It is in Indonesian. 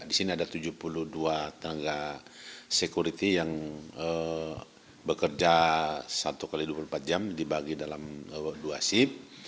di sini ada tujuh puluh dua tenaga security yang bekerja satu x dua puluh empat jam dibagi dalam dua sip